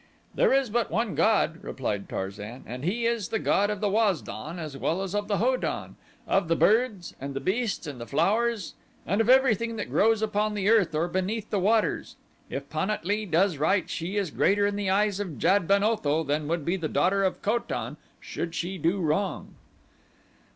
"There is but one god," replied Tarzan, "and he is the god of the Waz don as well as of the Ho don; of the birds and the beasts and the flowers and of everything that grows upon the earth or beneath the waters. If Pan at lee does right she is greater in the eyes of Jad ben Otho than would be the daughter of Ko tan should she do wrong."